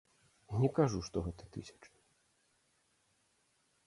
Не кажу, што гэта тысячы.